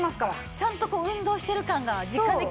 ちゃんとこう運動してる感が実感できますからね。